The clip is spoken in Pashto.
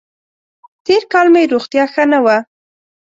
تېر کال مې روغتیا ښه نه وه.